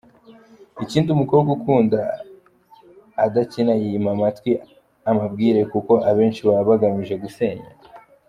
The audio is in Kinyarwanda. Ikindi umukobwa ukunda adakina yima amatwi amabwire kuko abenshi baba bagamije gusenya.